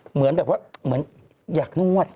เหมือนแบบว่าอยากนวด